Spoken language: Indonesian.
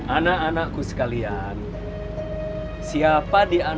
anak anakku sekalian berdua